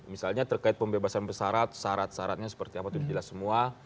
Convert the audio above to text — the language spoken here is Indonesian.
misalnya terkait pembebasan bersarat syarat syaratnya seperti apa itu jelas semua